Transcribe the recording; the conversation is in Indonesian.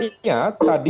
tadi kalau misalkan